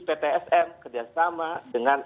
pt sm kerja sama dengan